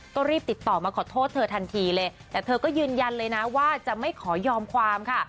ก็รีบติดต่อมาขอโทษเธอทันทีเลยแต่เธอก็ยืนยันเลยนะว่าจะไม่ขอยอมความค่ะ